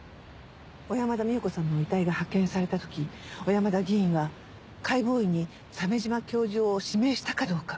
小山田美穂子さんの遺体が発見された時小山田議員は解剖医に鮫島教授を指名したかどうか。